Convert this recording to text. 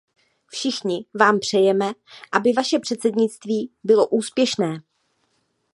Všichni vám přejeme, aby vaše předsednictví bylo úspěšné.